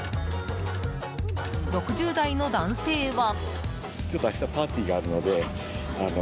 ６０代の男性は。